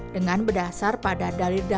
dengan berdasar pada dalir dalam keadaan